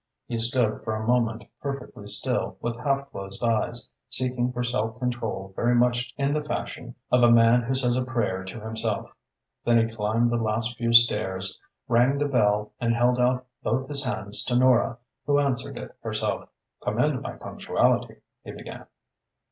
He stood for a moment perfectly still, with half closed eyes, seeking for self control very much in the fashion of a man who says a prayer to himself. Then he climbed the last few stairs, rang the bell and held out both his hands to Nora, who answered it herself. "Commend my punctuality," he began.